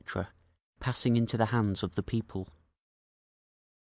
passing into the hands of the People.